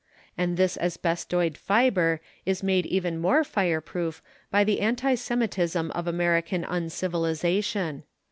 And this asbestoid fibre is made even more fireproof by the anti Semitism of American uncivilisation.